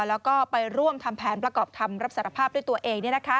แล้วก็ไปร่วมทำแผนประกอบคำรับสารภาพด้วยตัวเอง